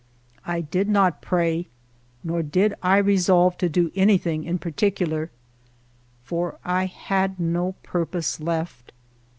I did not pray, nor did I resolve to do anything in par ticular, for I had no purpose left.